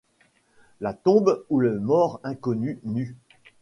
La tombe où le mort inconnu, Nu